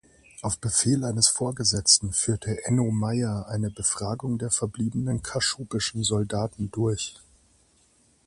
Auf Befehl eines Vorgesetzten führte Enno Meyer eine Befragung der verbliebenen kaschubischen Soldaten durch.